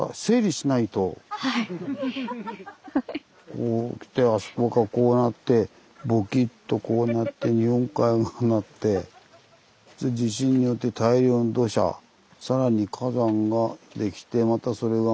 こうきてあそこがこうなってボキッとこうなって日本海がああなって地震によって大量の土砂さらに火山ができてまたそれが埋まる。